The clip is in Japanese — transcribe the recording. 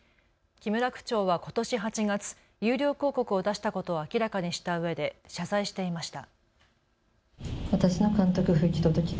木村区長はことし８月、有料広告を出したことを明らかにしたうえで謝罪していました。